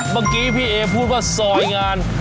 บางทีพี่เอ๋พูดว่าซอยงาน